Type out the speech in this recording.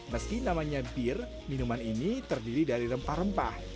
meski namanya peer minuman ini terdiri dari rempah rempah